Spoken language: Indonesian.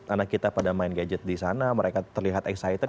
anak kita pada main gadget di sana mereka terlihat excited